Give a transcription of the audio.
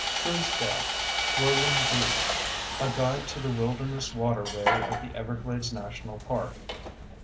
Truesdell, William G. _A Guide to the Wilderness Waterway of the Everglades National Park.